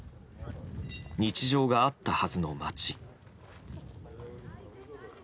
日常があったはずの街。